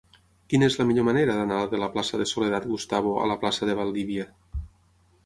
Quina és la millor manera d'anar de la plaça de Soledad Gustavo a la plaça de Valdivia?